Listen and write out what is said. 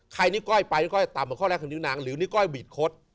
นิก้อยไปนี่ก้อยต่ำกว่าข้อแรกคือนิ้วนางหรือนิ้ก้อยบีดคด